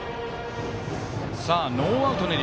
ノーアウト二塁